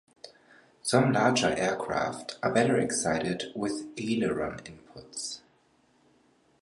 Some larger aircraft are better excited with aileron inputs.